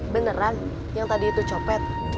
beneran yang tadi itu copet